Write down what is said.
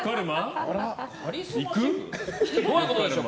どういうことでしょう。